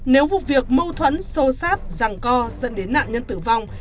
nếu vụ việc mâu thuẫn xô xát ràng co dẫn đến nạn nhân tử vong